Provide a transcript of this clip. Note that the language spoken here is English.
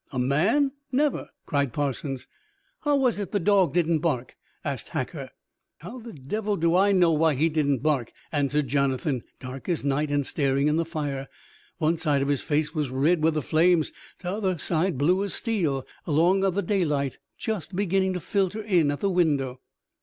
"A man? Never!" cried Parsons. "How was it the dog didn't bark?" asked Hacker. "How the devil do I know why he didn't bark?" answered Jonathan, dark as night, and staring in the fire. One side of his face was red with the flames, and t'other side blue as steel along of the daylight just beginning to filter in at the window.